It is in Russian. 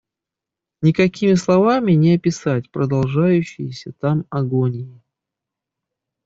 Никакими словами не описать продолжающейся там агонии.